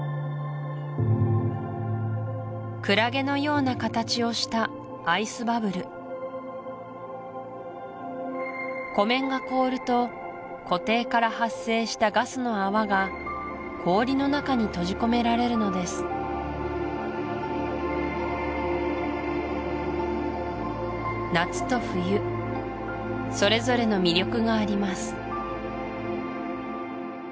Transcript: クラゲのような形をしたアイスバブル湖面が凍ると湖底から発生したガスの泡が氷の中に閉じ込められるのです夏と冬それぞれの魅力があります